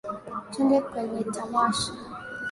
Twende kwenye tamasha